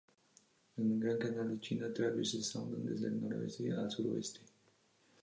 El Gran Canal de China atraviesa Shandong desde el noroeste al suroeste.